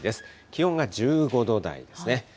気温が１５度台ですね。